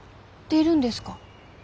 出るんですか？